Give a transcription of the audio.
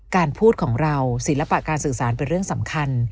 การพูดของเราศิลปะการสื่อสารเป็นเรื่องสำคัญ